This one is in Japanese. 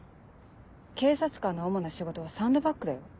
警察官の主な仕事はサンドバッグだよ。